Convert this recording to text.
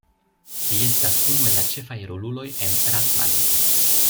Li estas unu el la ĉefaj roluloj en Rat-Man.